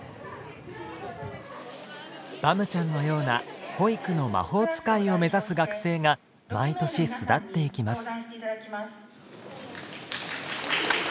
バムちゃんのような保育の魔法使いを目指す学生が毎年巣立っていきます。